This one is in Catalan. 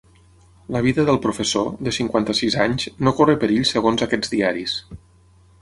La vida del professor, de cinquanta-sis anys, no corre perill segons aquests diaris.